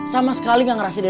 sama sekali gak ngerasa dia